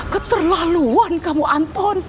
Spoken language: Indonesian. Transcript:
keterlaluan kamu anton